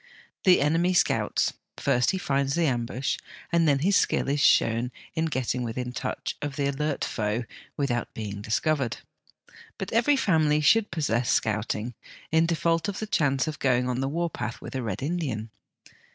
The enemy scouts ; first he finds the ambush, and then his skill is shown in getting within touch of the alert foe without being discovered. But every family should possess Scouting in default of the chance of going on the war path with a Red Indian.